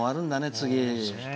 次。